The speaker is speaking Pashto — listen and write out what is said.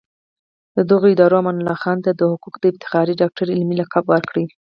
دغو ادارو امان الله خان ته د حقوقو د افتخاري ډاکټرۍ علمي لقب ورکړ.